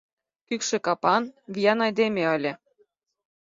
Кӱкшӧ капан, виян айдеме ыле.